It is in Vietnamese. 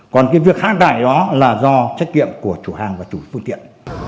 còn cái việc hạ tải đó là do trách nhiệm của chủ hàng và chủ phương tiện